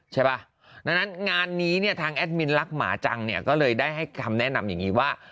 ใช่ป่ะดังนั้นงานนี้เนี่ยทางแอดมินรักหมาจังเนี่ยก็เลยได้ให้คำแนะนำอย่างนี้ว่า